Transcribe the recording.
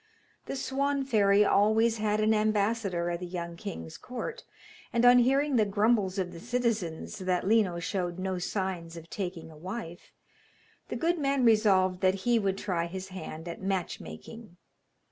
The Swan fairy always had an ambassador at the young king's court, and on hearing the grumbles of the citizens that Lino showed no signs of taking a wife, the good man resolved that he would try his hand at match making.